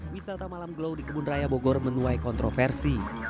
wisata malam glow di kebun raya bogor menuai kontroversi